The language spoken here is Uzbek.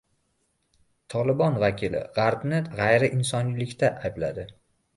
Tolibon vakili G‘arbni g‘ayriinsoniylikda aybladi